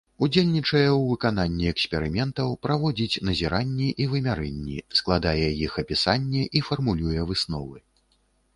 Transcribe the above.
Удзельнічае ў выкананні эксперыментаў, праводзіць назіранні і вымярэнні, складае іх апісанне і фармулюе высновы.